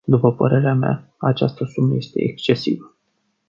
După părerea mea, această sumă este excesivă.